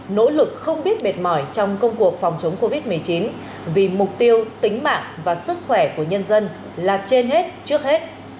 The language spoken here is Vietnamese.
nỗ lực không biết mệt mỏi trong công cuộc phòng chống covid một mươi chín vì mục tiêu tính mạng và sức khỏe của nhân dân là trên hết trước hết